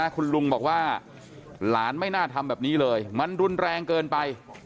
คุณลุงบอกว่าหลานไม่น่าทำแบบนี้เลยมันรุนแรงเกินไป